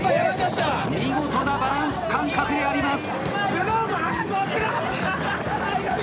見事なバランス感覚であります。